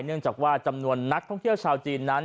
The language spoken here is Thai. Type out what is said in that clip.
เนื่องจากว่าจำนวนนักท่องเที่ยวชาวจีนนั้น